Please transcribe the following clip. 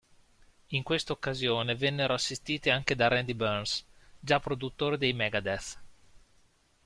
In questa occasione vennero assistiti anche da Randy Burns, già produttore dei Megadeth.